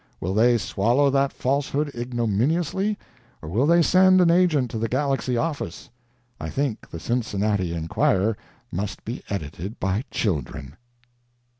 Will they swallow that falsehood ignominiously, or will they send an agent to _ The Galaxy _office. I think the Cincinnati _Enquirer _must be edited by children.